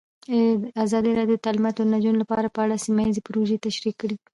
ازادي راډیو د تعلیمات د نجونو لپاره په اړه سیمه ییزې پروژې تشریح کړې.